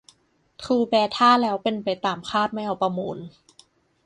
ทรูแบท่าแล้วเป็นไปตามคาดไม่เอาประมูล